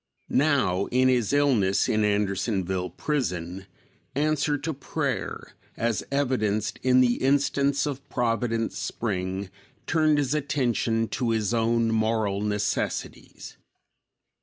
Now, in his illness in Andersonville prison, answer to prayer, as evidenced in the instance of Providence Spring, turned his attention to his own moral necessities.